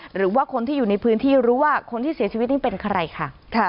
หรือว่าคนที่อยู่ในพื้นที่รู้ว่าคนที่เสียชีวิตนี่เป็นใครค่ะ